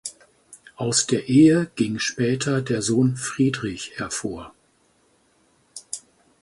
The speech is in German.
Aus der Ehe ging später der Sohn Friedrich hervor.